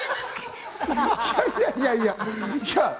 いやいやいや。